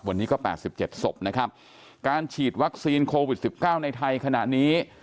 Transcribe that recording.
วันนี้ก็๘๗ศพนะครับการฉีดวัคซีนโควิดสิบเก้าในไทยขณะนี้